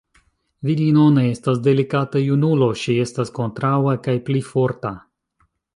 Virino ne estas delikata junulo, ŝi estas kontraŭa kaj pli forta.